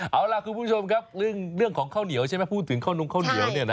เอาล่ะคุณผู้ชมครับเรื่องของข้าวเหนียวใช่ไหมพูดถึงข้าวนงข้าวเหนียวเนี่ยนะ